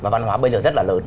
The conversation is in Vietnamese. và văn hóa bây giờ rất là lớn